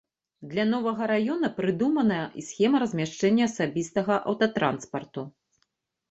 Для новага раёна прадуманая і схема размяшчэння асабістага аўтатранспарту.